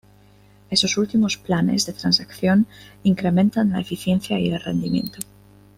Estos últimos planes de transacción incrementan la eficiencia y el rendimiento.